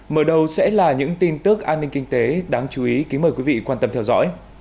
mở đầu sẽ là những tin tức an ninh kinh tế đáng chú ý kính mời quý vị quan tâm theo dõi